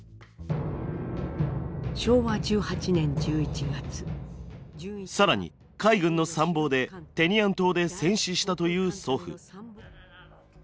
昭和１８年１１月更に海軍の参謀でテニアン島で戦死したという祖父。